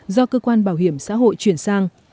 do cơ quan bảo hiểm xã hội chuyển sang